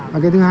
và cái thứ hai